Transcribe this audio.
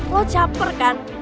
lo caper kan